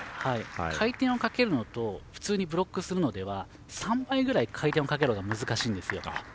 回転をかけるのと普通にブロックするのでは３倍ぐらい回転をかける方が難しいんですよ。